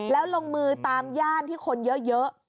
แล้วลงมือตามย่านที่คนเยอะ